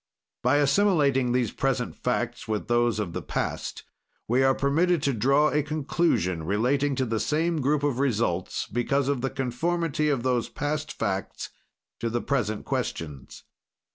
"By assimilating these present facts with those of the past, we are permitted to draw a conclusion, relating to the same group of results, because of the conformity of those past facts to the present questions.